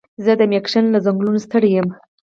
زه د مېشیګن له ځنګلونو ستړی یم.